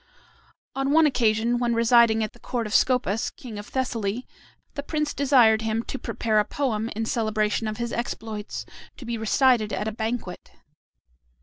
On one occasion, when residing at the court of Scopas, king of Thessaly, the prince desired him to prepare a poem in celebration of his exploits, to be recited at a banquet.